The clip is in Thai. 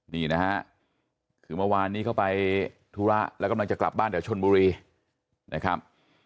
นี่นะฮะคือเมื่อวานนี้เขาไปธุระแล้วกำลังจะกลับบ้านเดี๋ยวชนบุรีนะครับ